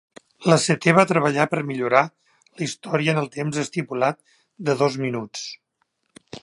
Lasseter va treballar per millorar la història en el temps estipulat de dos minuts.